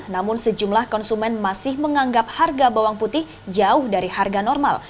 namun sejumlah konsumen masih menganggap harga bawang putih jauh dari harga normal